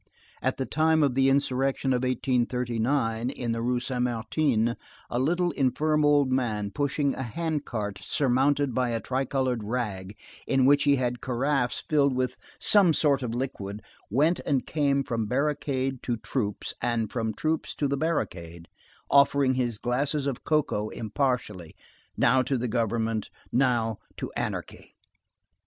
At the time of the insurrection of 1839, in the Rue Saint Martin a little, infirm old man, pushing a hand cart surmounted by a tricolored rag, in which he had carafes filled with some sort of liquid, went and came from barricade to troops and from troops to the barricade, offering his glasses of cocoa impartially,—now to the Government, now to anarchy.